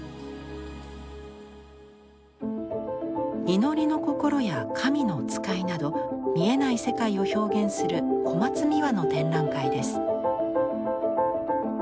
祈りの心や神の使いなど見えない世界を表現する小松美羽の展覧会です。